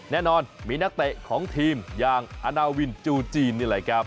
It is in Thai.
แน่นอนมีนักเตะของทีมอย่างอาณาวินจูจีนนี่แหละครับ